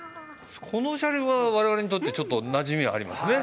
この車両は我々にとってちょっとなじみありますね。